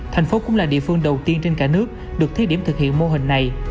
thành phố cũng là địa phương đầu tiên trên cả nước được thiết điểm thực hiện mô hình này